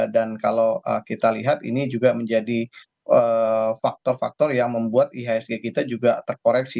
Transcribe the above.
dan kalau kita lihat ini juga menjadi faktor faktor yang membuat ihsg kita juga terkoreksi